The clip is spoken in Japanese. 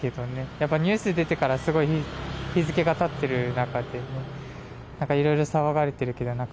ニュースに出てからすごい日付がたっている中というのでいろいろ騒がれている気がします。